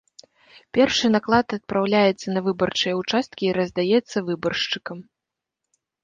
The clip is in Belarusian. Першы наклад адпраўляецца на выбарчыя ўчасткі і раздаецца выбаршчыкам.